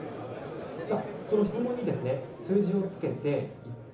その質問に数字をつけていって